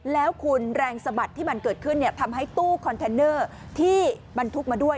แล้วคุณแรงสะบัดที่มันเกิดขึ้นทำให้ตู้คอนเทนเนอร์ที่บรรทุกมาด้วย